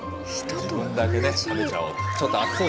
自分だけ食べちゃおう。